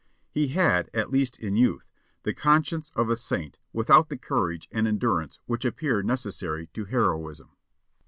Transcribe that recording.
He had, at least in youth, the conscience of a saint without the courage and endurance which appear necessary to heroism.